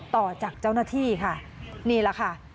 ต่อจากเจ้าหน้าที่ค่ะนี่แหละค่ะ